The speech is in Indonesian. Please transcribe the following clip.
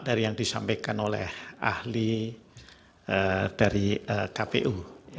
dari yang disampaikan oleh ahli dari kpu